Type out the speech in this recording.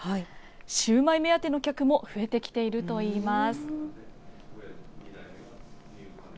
シューマイ目当ての客も増えてきているといいます。